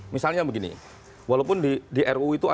misalnya begini walaupun di ru itu